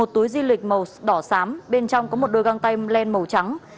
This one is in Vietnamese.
một túi di lịch màu đỏ xám bên trong có một đôi găng tay len màu trắng